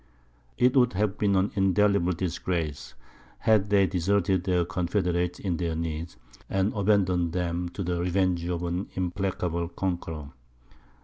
It would have been an indelible disgrace, had they deserted their confederates in their need, and abandoned them to the revenge of an implacable conqueror.